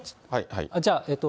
じゃあ。